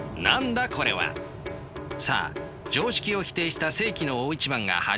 さあ常識を否定した世紀の大一番が始まるか。